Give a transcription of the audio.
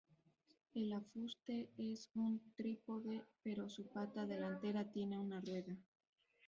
El afuste es un trípode, pero su pata delantera tiene una rueda.